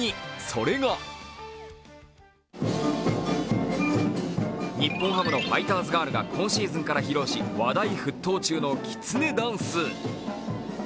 それが日本ハムのファイターズガールが今シーズンから披露し話題沸騰中のきつねダンス。